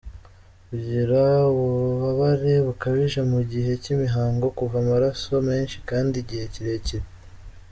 Kugira ububabare bukabije mu gihe cy’imihango, kuva amaraso menshi kandi igihe kirekire.